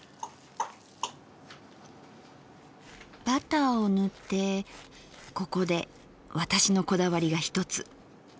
バターを塗ってここで私のこだわりが一つ。